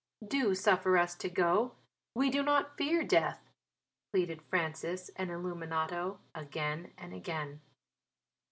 "Do suffer us to go, we do not fear death," pleaded Francis and Illuminato, again and again.